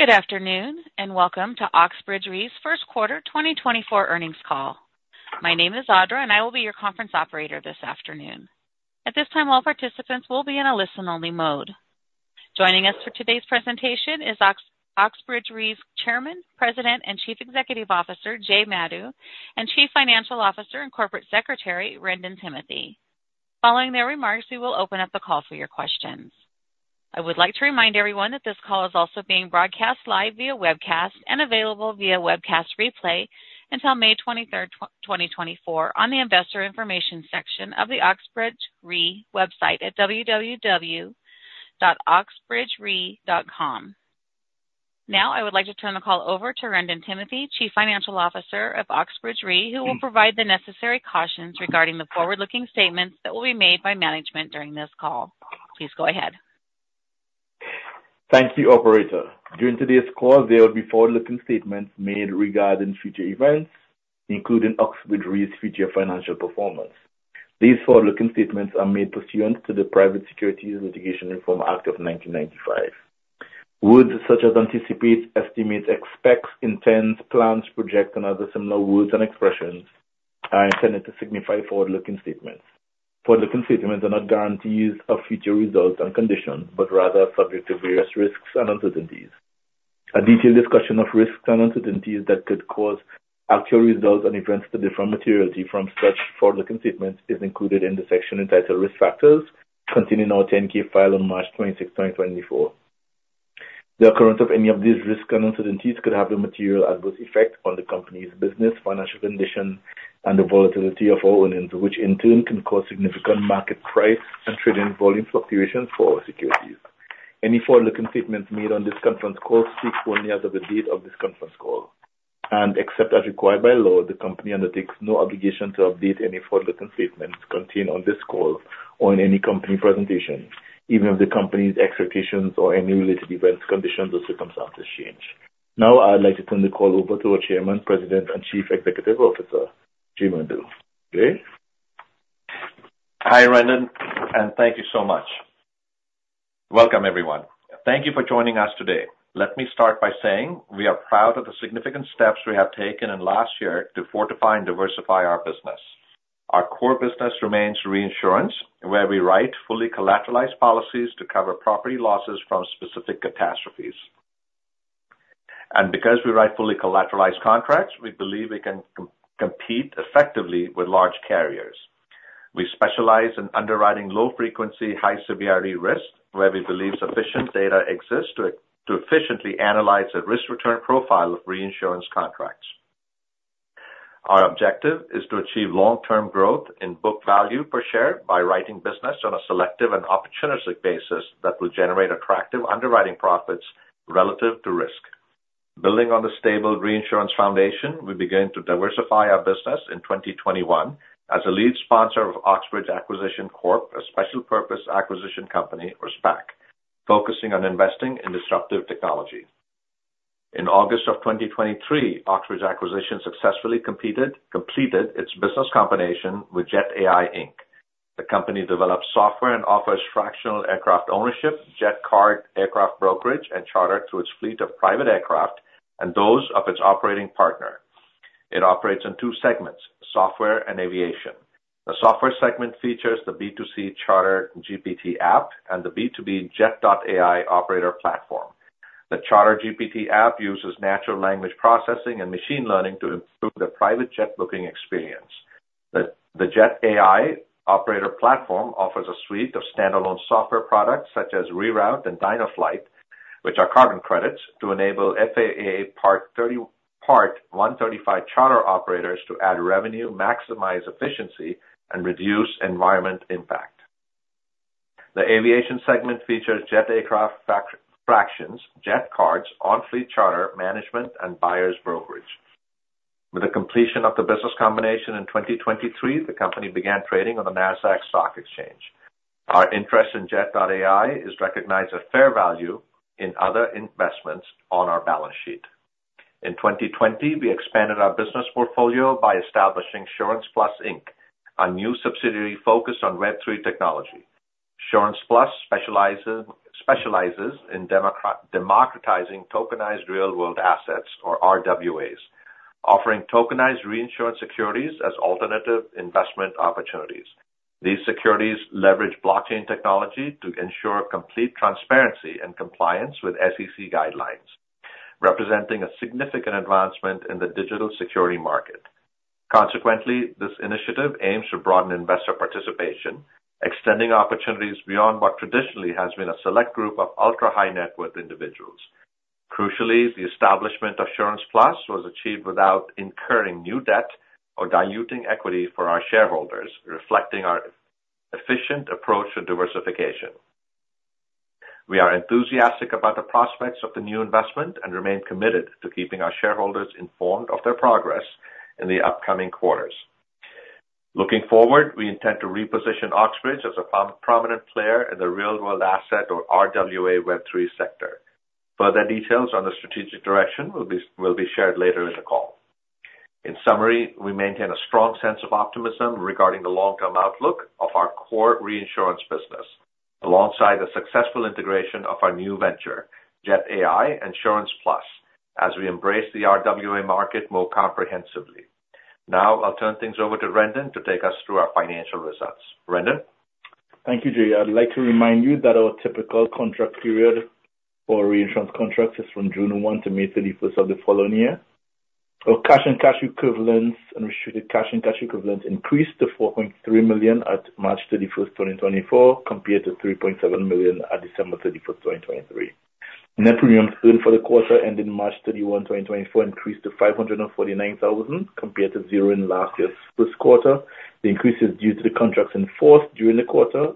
Good afternoon, and welcome to Oxbridge Re's first quarter 2024 earnings call. My name is Audra, and I will be your conference operator this afternoon. At this time, all participants will be in a listen-only mode. Joining us for today's presentation is Oxbridge Re's Chairman, President, and Chief Executive Officer, Jay Madhu, and Chief Financial Officer and Corporate Secretary, Wrendon Timothy. Following their remarks, we will open up the call for your questions. I would like to remind everyone that this call is also being broadcast live via webcast and available via webcast replay until May 23, 2024, on the investor information section of the Oxbridge Re website at www.oxbridgere.com. Now, I would like to turn the call over to Wrendon Timothy, Chief Financial Officer of Oxbridge Re, who will provide the necessary cautions regarding the forward-looking statements that will be made by management during this call. Please go ahead. Thank you, operator. During today's call, there will be forward-looking statements made regarding future events, including Oxbridge Re's future financial performance. These forward-looking statements are made pursuant to the Private Securities Litigation Reform Act of 1995. Words such as anticipate, estimate, expects, intends, plans, project, and other similar words and expressions are intended to signify forward-looking statements. Forward-looking statements are not guarantees of future results and conditions, but rather subject to various risks and uncertainties. A detailed discussion of risks and uncertainties that could cause actual results and events to differ materially from such forward-looking statements is included in the section entitled Risk Factors, contained in our 10-K filed on March 26, 2024. The occurrence of any of these risks and uncertainties could have a material adverse effect on the company's business, financial condition, and the volatility of our earnings, which in turn can cause significant market price and trading volume fluctuations for our securities. Any forward-looking statements made on this conference call speak only as of the date of this conference call. Except as required by law, the company undertakes no obligation to update any forward-looking statements contained on this call or in any company presentation, even if the company's expectations or any related events, conditions, or circumstances change. Now, I'd like to turn the call over to our Chairman, President, and Chief Executive Officer, Jay Madhu. Jay? Hi, Wrendon, and thank you so much. Welcome, everyone. Thank you for joining us today. Let me start by saying we are proud of the significant steps we have taken in last year to fortify and diversify our business. Our core business remains reinsurance, where we write fully collateralized policies to cover property losses from specific catastrophes. And because we write fully collateralized contracts, we believe we can compete effectively with large carriers. We specialize in underwriting low frequency, high severity risk, where we believe sufficient data exists to efficiently analyze the risk-return profile of reinsurance contracts. Our objective is to achieve long-term growth in book value per share by writing business on a selective and opportunistic basis that will generate attractive underwriting profits relative to risk. Building on the stable reinsurance foundation, we began to diversify our business in 2021 as a lead sponsor of Oxbridge Acquisition Corp, a special purpose acquisition company, or SPAC, focusing on investing in disruptive technology. In August of 2023, Oxbridge Acquisition successfully completed its business combination with Jet.AI Inc. The company develops software and offers fractional aircraft ownership, Jet Card, aircraft brokerage, and charter through its fleet of private aircraft and those of its operating partner. It operates in two segments: software and aviation. The software segment features the B2C CharterGPT app and the B2B Jet.AI Operator Platform. The CharterGPT app uses natural language processing and machine learning to improve the private jet booking experience. The Jet.AI operator platform offers a suite of standalone software products such as Reroute and DynoFlight, which are carbon credits, to enable FAA Part 135 charter operators to add revenue, maximize efficiency, and reduce environmental impact. The aviation segment features jet aircraft fractions, Jet Cards, on-fleet charter, management, and buyers brokerage. With the completion of the business combination in 2023, the company began trading on the Nasdaq Stock Exchange. Our interest in Jet.AI is recognized at fair value in other investments on our balance sheet. In 2020, we expanded our business portfolio by establishing SurancePlus Inc., a new subsidiary focused on Web3 technology. SurancePlus specializes in democratizing tokenized real-world assets, or RWAs, offering tokenized reinsurance securities as alternative investment opportunities. These securities leverage blockchain technology to ensure complete transparency and compliance with SEC guidelines, representing a significant advancement in the digital security market. Consequently, this initiative aims to broaden investor participation, extending opportunities beyond what traditionally has been a select group of ultra-high net worth individuals. Crucially, the establishment of SurancePlus was achieved without incurring new debt or diluting equity for our shareholders, reflecting our efficient approach to diversification. We are enthusiastic about the prospects of the new investment and remain committed to keeping our shareholders informed of their progress in the upcoming quarters. Looking forward, we intend to reposition Oxbridge as a prominent player in the real-world asset or RWA Web3 sector. Further details on the strategic direction will be shared later in the call... In summary, we maintain a strong sense of optimism regarding the long-term outlook of our core reinsurance business, alongside the successful integration of our new venture, Jet.AI and SurancePlus, as we embrace the RWA market more comprehensively. Now, I'll turn things over to Wrendon to take us through our financial results. Wrendon? Thank you, Jay. I'd like to remind you that our typical contract period for reinsurance contracts is from June 1 to May 31st of the following year. Our cash and cash equivalents, unrestricted cash and cash equivalents increased to $4.3 million at March 31st, 2024, compared to $3.7 million at December 31st, 2023. Net premiums earned for the quarter ending March 31, 2024, increased to $549,000, compared to zero in last year's first quarter. The increase is due to the contracts enforced during the quarter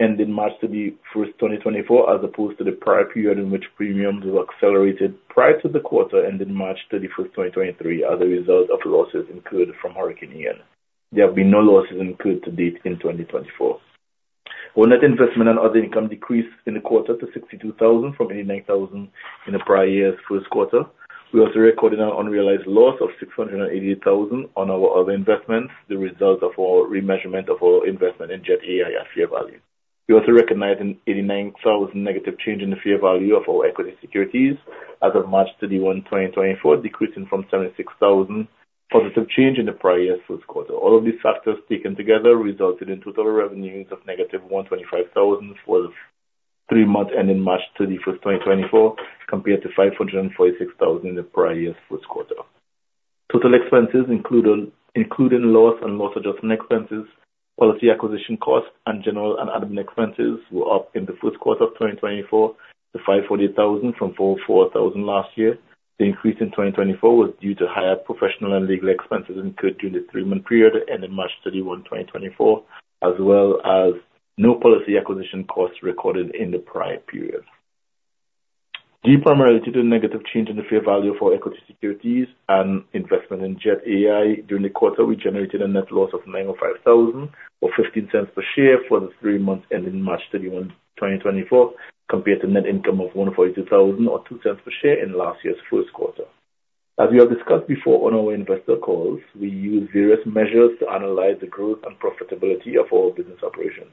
ending March 31st, 2024, as opposed to the prior period in which premiums were accelerated prior to the quarter ending March 31st, 2023, as a result of losses incurred from Hurricane Ian. There have been no losses incurred to date in 2024. Our net investment and other income decreased in the quarter to $62,000 from $89,000 in the prior year's first quarter. We also recorded an unrealized loss of $688,000 on our other investments, the result of our remeasurement of our investment in Jet.AI at fair value. We also recognized an $89,000 negative change in the fair value of our equity securities as of March 31, 2024, decreasing from $76,000 positive change in the prior year's first quarter. All of these factors, taken together, resulted in total revenues of -$125,000 for the three months ending March 31, 2024, compared to $546,000 in the prior year's first quarter. Total expenses, including loss and loss adjustment expenses, policy acquisition costs, and general and admin expenses, were up in the first quarter of 2024 to $548,000 from $44,000 last year. The increase in 2024 was due to higher professional and legal expenses incurred during the three-month period ending March 31, 2024, as well as no policy acquisition costs recorded in the prior period. Due primarily to the negative change in the fair value for equity securities and investment in Jet.AI, during the quarter, we generated a net loss of $905,000, or $0.15 per share for the three months ending March 31, 2024, compared to net income of $142,000, or $0.02 per share in last year's first quarter. As we have discussed before on our investor calls, we use various measures to analyze the growth and profitability of our business operations.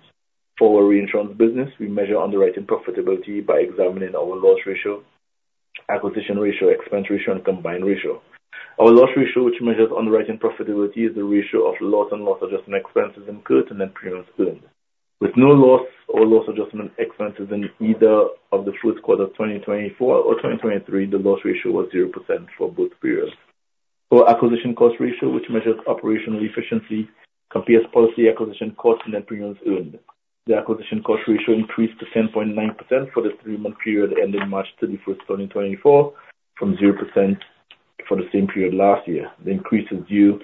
For our reinsurance business, we measure underwriting profitability by examining our loss ratio, acquisition ratio, expense ratio, and combined ratio. Our loss ratio, which measures underwriting profitability, is the ratio of loss and loss adjustment expenses incurred and then premiums earned. With no loss or loss adjustment expenses in either of the first quarter of 2024 or 2023, the loss ratio was 0% for both periods. For acquisition cost ratio, which measures operational efficiency, compares policy acquisition costs and net premiums earned. The acquisition cost ratio increased to 10.9% for the three-month period ending March 31, 2024, from 0% for the same period last year. The increase is due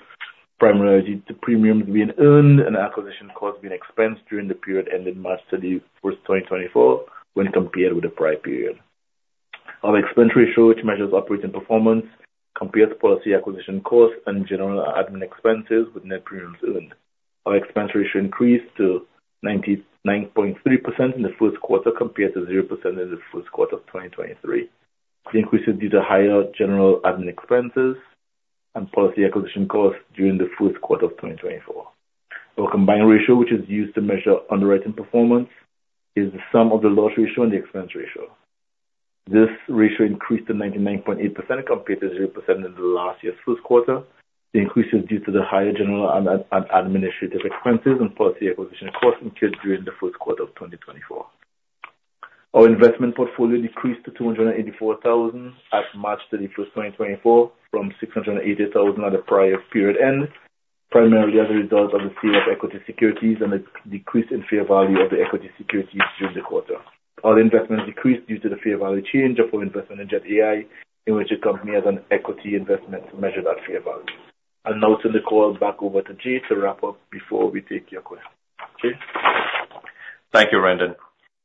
primarily to premiums being earned and acquisition costs being expensed during the period ending March 31, 2024, when compared with the prior period. Our expense ratio, which measures operating performance, compares policy acquisition costs and general admin expenses with net premiums earned. Our expense ratio increased to 99.3% in the first quarter, compared to 0% in the first quarter of 2023. The increase is due to higher general admin expenses and policy acquisition costs during the first quarter of 2024. Our combined ratio, which is used to measure underwriting performance, is the sum of the loss ratio and the expense ratio. This ratio increased to 99.8% compared to 0% in the last year's first quarter. The increase is due to the higher general and administrative expenses and policy acquisition costs incurred during the first quarter of 2024. Our investment portfolio decreased to $284,000 at March 31, 2024, from $680,000 at the prior period end, primarily as a result of the sale of equity securities and a decrease in fair value of the equity securities during the quarter. Our investment decreased due to the fair value change of our investment in Jet.AI, in which the company has an equity investment to measure that fair value. I'll now turn the call back over to Jay to wrap up before we take your questions. Jay? Thank you, Wrendon.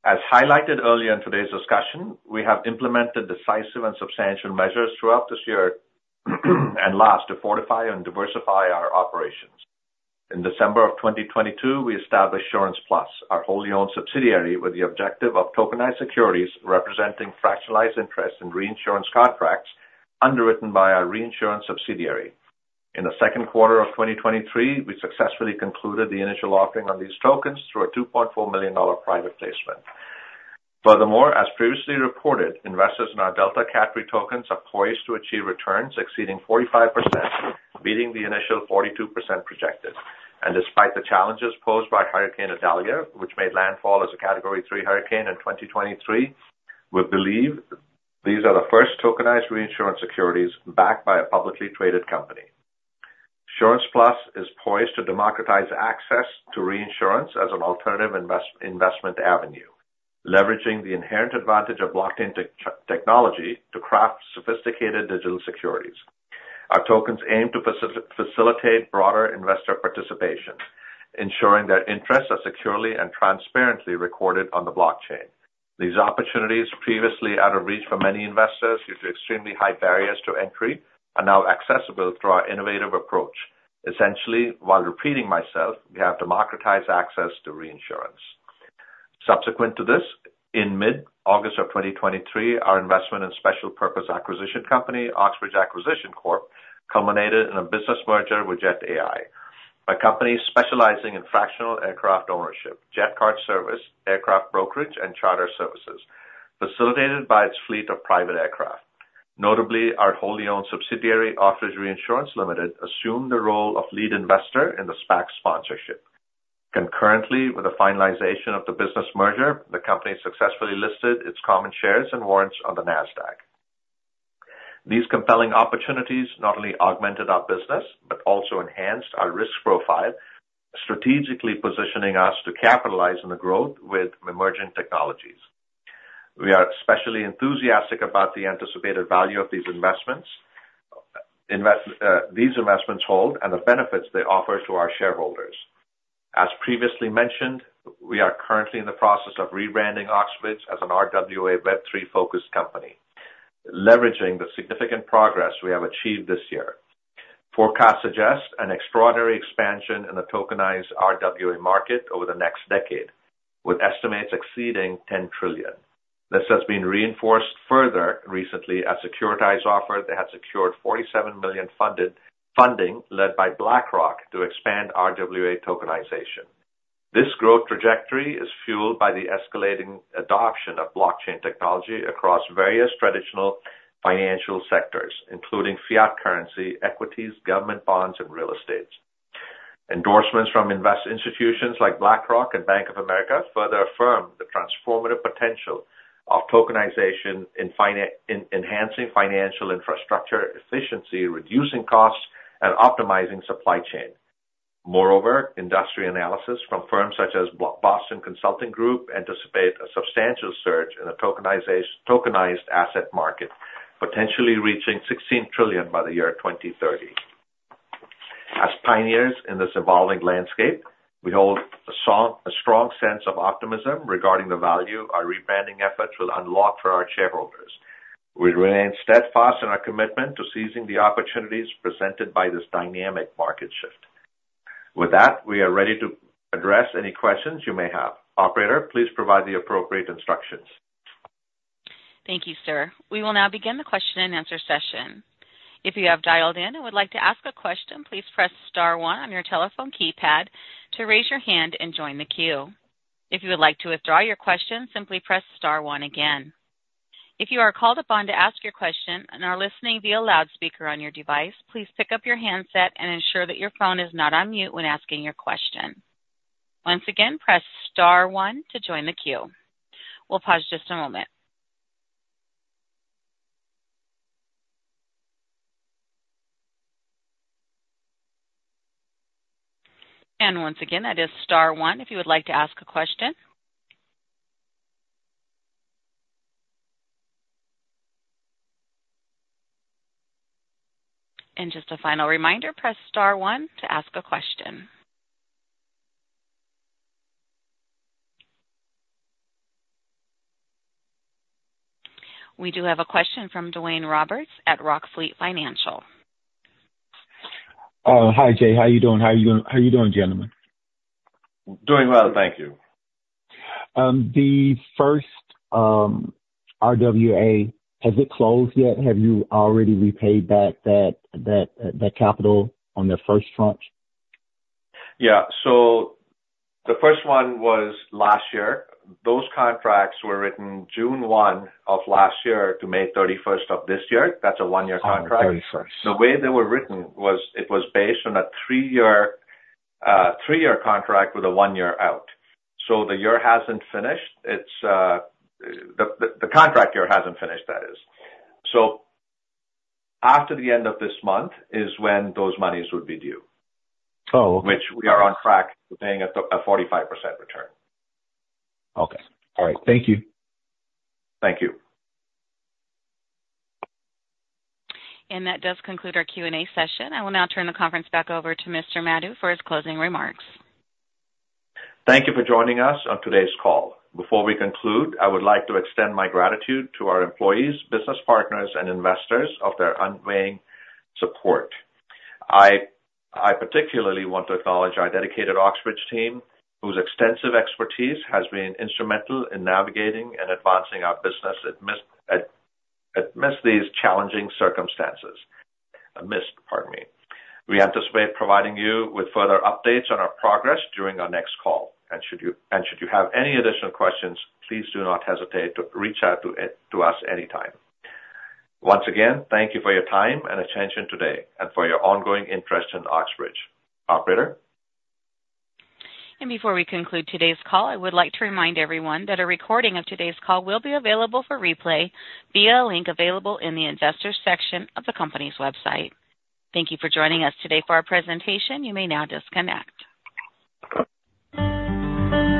As highlighted earlier in today's discussion, we have implemented decisive and substantial measures throughout this year, and last, to fortify and diversify our operations. In December of 2022, we established SurancePlus, our wholly owned subsidiary, with the objective of tokenized securities representing fractionalized interests in reinsurance contracts underwritten by our reinsurance subsidiary. In the second quarter of 2023, we successfully concluded the initial offering on these tokens through a $2.4 million private placement. Furthermore, as previously reported, investors in our DeltaCat tokens are poised to achieve returns exceeding 45%, beating the initial 42% projected. And despite the challenges posed by Hurricane Idalia, which made landfall as a Category 3 hurricane in 2023, we believe these are the first tokenized reinsurance securities backed by a publicly traded company. SurancePlus is poised to democratize access to reinsurance as an alternative investment avenue, leveraging the inherent advantage of blockchain technology to craft sophisticated digital securities. Our tokens aim to facilitate broader investor participation, ensuring their interests are securely and transparently recorded on the blockchain. These opportunities, previously out of reach for many investors due to extremely high barriers to entry, are now accessible through our innovative approach. Essentially, while repeating myself, we have democratized access to reinsurance. Subsequent to this, in mid-August of 2023, our investment in special purpose acquisition company, Oxbridge Acquisition Corp, culminated in a business merger with Jet.AI, a company specializing in fractional aircraft ownership, jet card service, aircraft brokerage, and charter services, facilitated by its fleet of private aircraft. Notably, our wholly owned subsidiary, Oxbridge Reinsurance Limited, assumed the role of lead investor in the SPAC sponsorship. Concurrently, with the finalization of the business merger, the company successfully listed its common shares and warrants on the Nasdaq. These compelling opportunities not only augmented our business, but also enhanced our risk profile, strategically positioning us to capitalize on the growth with emerging technologies. We are especially enthusiastic about the anticipated value of these investments hold and the benefits they offer to our shareholders. As previously mentioned, we are currently in the process of rebranding Oxbridge as an RWA Web3-focused company, leveraging the significant progress we have achieved this year. Forecast suggests an extraordinary expansion in the tokenized RWA market over the next decade, with estimates exceeding $10 trillion. This has been reinforced further recently as Securitize offering that has secured $47 million funding led by BlackRock to expand RWA tokenization. This growth trajectory is fueled by the escalating adoption of blockchain technology across various traditional financial sectors, including fiat currency, equities, government bonds, and real estate. Endorsements from investment institutions like BlackRock and Bank of America further affirm the transformative potential of tokenization in enhancing financial infrastructure efficiency, reducing costs, and optimizing supply chain. Moreover, industry analysis from firms such as Boston Consulting Group anticipate a substantial surge in the tokenized asset market, potentially reaching $16 trillion by the year 2030. As pioneers in this evolving landscape, we hold a strong sense of optimism regarding the value our rebranding efforts will unlock for our shareholders. We remain steadfast in our commitment to seizing the opportunities presented by this dynamic market shift. With that, we are ready to address any questions you may have. Operator, please provide the appropriate instructions. Thank you, sir. We will now begin the question-and-answer session. If you have dialed in and would like to ask a question, please press star one on your telephone keypad to raise your hand and join the queue. If you would like to withdraw your question, simply press star one again. If you are called upon to ask your question and are listening via loudspeaker on your device, please pick up your handset and ensure that your phone is not on mute when asking your question. Once again, press star one to join the queue. We'll pause just a moment. And once again, that is star one if you would like to ask a question. And just a final reminder, press star one to ask a question. We do have a question from Duane Roberts at Rockfleet Financial. Hi, Jay. How are you doing? How are you doing, gentlemen? Doing well, thank you. The first RWA has it closed yet? Have you already repaid back that capital on the first tranche? Yeah. The first one was last year. Those contracts were written June 1 of last year to May 31st of this year. That's a 1-year contract. Thirty-first. The way they were written was it was based on a three-year, three-year contract with a one year out. So the year hasn't finished. It's, the contract year hasn't finished, that is. So after the end of this month is when those monies would be due. Oh. Which we are on track to paying a 45% return. Okay. All right. Thank you. Thank you. That does conclude our Q&A session. I will now turn the conference back over to Mr. Madhu for his closing remarks. Thank you for joining us on today's call. Before we conclude, I would like to extend my gratitude to our employees, business partners, and investors of their unwavering support. I particularly want to acknowledge our dedicated Oxbridge team, whose extensive expertise has been instrumental in navigating and advancing our business amidst these challenging circumstances. Pardon me. We anticipate providing you with further updates on our progress during our next call. And should you have any additional questions, please do not hesitate to reach out to us anytime. Once again, thank you for your time and attention today, and for your ongoing interest in Oxbridge. Operator? Before we conclude today's call, I would like to remind everyone that a recording of today's call will be available for replay via a link available in the Investors section of the company's website. Thank you for joining us today for our presentation. You may now disconnect.